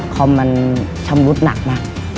คอมมันชำรุดหนักนะ